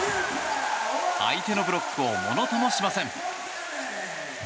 相手のブロックを物ともしません。